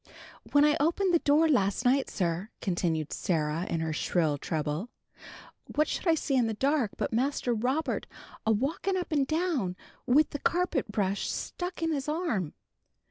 "When I opened the door last night, sir," continued Sarah, in her shrill treble, "what should I see in the dark but Master Robert a walking up and down with the carpet brush stuck in his arm.